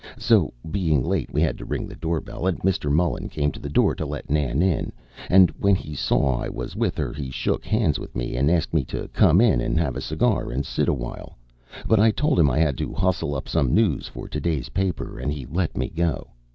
So, being late, we had to ring the doorbell, and Mr. Mullen came to the door to let Nan in, and when he saw I was with her he shook hands with me and asked me to come in and have a cigar, and sit awhile, but I told him I had to hustle up some news for to day's paper, and he let me go.